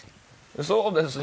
そうですね。